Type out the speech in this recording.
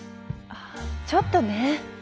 ああちょっとね